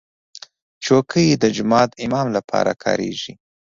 چوکۍ د جومات امام لپاره کارېږي.